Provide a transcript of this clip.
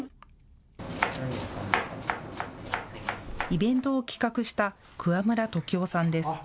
イベントを企画した桑村時生さんです。